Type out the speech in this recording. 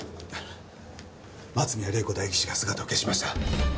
松宮玲子代議士が姿を消しました。